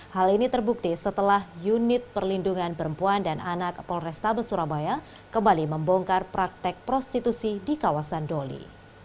hal ini terbukti setelah unit perlindungan perempuan dan anak polrestabes surabaya kembali membongkar praktek prostitusi di kawasan doli